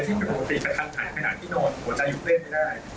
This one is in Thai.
ที่เป็นปกติแต่ทันขนาดที่นอนหัวใจหยุดเล่นไม่ได้